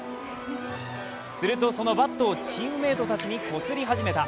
すると、そのバットをチームメートたちにこすり始めた。